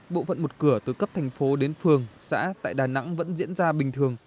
bộ phận một cửa từ cấp thành phố đến phường xã tại đà nẵng vẫn diễn ra bình thường